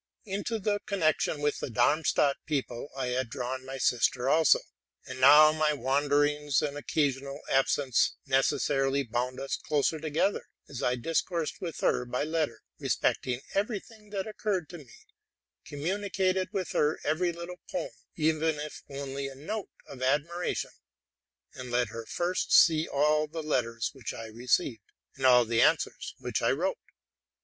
Into the connection with the Darmstadt people I had drawn my sister also; and now my wanderings and occa sional absence necessarily bound us closer together, as I discoursed with her by letter respecting every thing that oc curred to me, communicated to her every little poem, if even only a note of admiration, and let her first see all the letters which I received, and all the answers which I wrote.